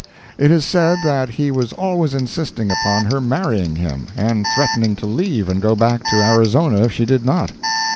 It is said that he was always insisting upon her marrying him, and threatening to leave and go back to Arizona if she did not.